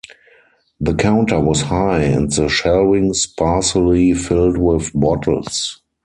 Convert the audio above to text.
The counter was high and the shelving, sparsely filled with bottles.